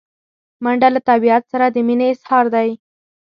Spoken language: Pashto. منډه له طبیعت سره د مینې اظهار دی